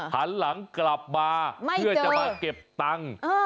หันหลังกลับมาเพื่อจะมาเก็บตังค์